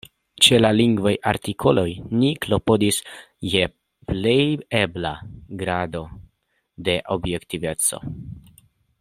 Ĉe la lingvaj artikoloj ni klopodis je plejebla grado de objektiveco.